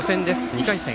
２回戦。